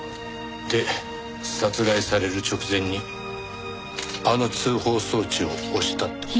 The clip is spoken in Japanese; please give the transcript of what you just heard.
で殺害される直前にあの通報装置を押したって事か。